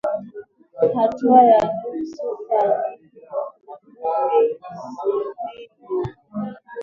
hatua ya nusu fainali robin sodolin